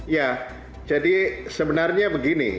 ya jadi sebenarnya begini